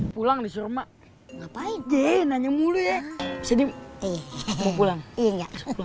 pulang disuruh ngapain nanya mulia sedih pulang